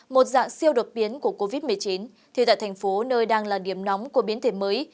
một dạng siêu độc biến của covid một mươi chín thì tại thành phố nơi đang là điểm nóng của biến thể mới